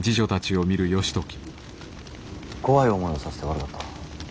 怖い思いをさせて悪かった。